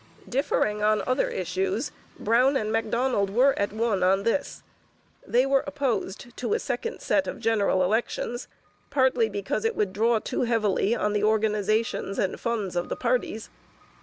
Differing on other issues, Brown and Macdonald were at one on this. They were opposed to a second set of general elections, partly because it would draw too heavily on the organizations and funds of the parties.